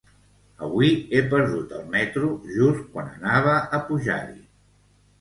Avui he perdut el metro just quan anava a pujar-hi.